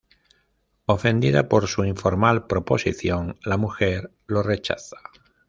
Ofendida por su informal proposición, la mujer lo rechaza.